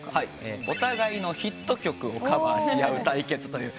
お互いのヒット曲をカバーし合う対決という。